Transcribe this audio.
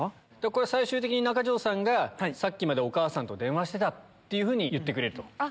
最終的に中条さんが「さっきまでお母さんと電話してた」って言ってくれと。